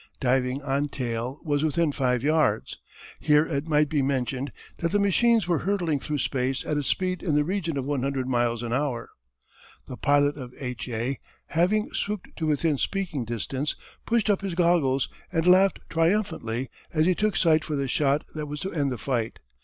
diving on tail, was within five yards. Here it might be mentioned that the machines were hurtling through space at a speed in the region of one hundred miles an hour. The pilot of H. A., having swooped to within speaking distance, pushed up his goggles, and laughed triumphantly as he took sight for the shot that was to end the fight.